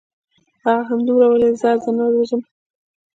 هغه همدومره وویل: ځه زه نه وځم.